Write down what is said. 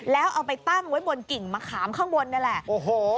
แล้วเอาไปตั้งไว้บนกิ่งมะขามข้างบนนี่แหละโอ้โห